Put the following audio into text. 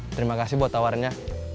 terima kasih buat tawarnya